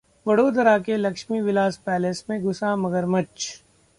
वडोदरा के लक्ष्मी विलास पैलेस में घुसा मगरमच्छ